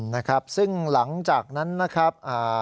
นะครับซึ่งหลังจากนั้นนะครับ